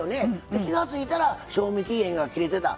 で、気が付いたら賞味期限が切れてた。